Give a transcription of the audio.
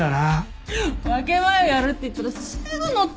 分け前をやるって言ったらすぐのってきたわよ。